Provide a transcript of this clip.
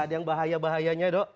ada yang bahaya bahayanya dok